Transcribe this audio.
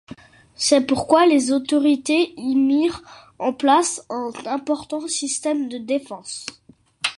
C’est pourquoi les autorités y mirent en place un important système de défense.